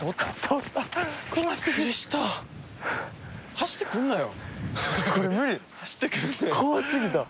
走ってくるなよ。